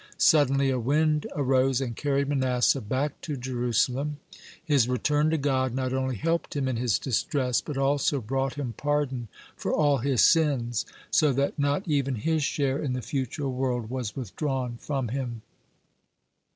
Suddenly a wind arose, and carried Manasseh back to Jerusalem. (107) His return to God not only helped him in his distress, but also brought him pardon for all his sins, so that not even his share in the future world was withdrawn from him.